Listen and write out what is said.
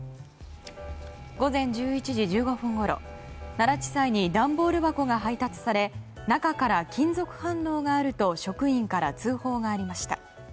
午前１１時１５分ごろ奈良地裁に段ボール箱が配達され中から金属反応のがあると職員から通報がありました。